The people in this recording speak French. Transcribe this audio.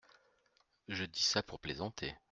Je dis ça pour plaisanter…